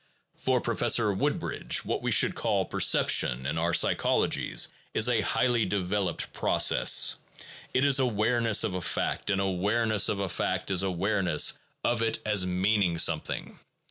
For Professor Woodbridge, what we should call per ception in our psychologies is a highly developed process: it is awareness of a fact, and awareness of a fact is awareness of it as meaning something.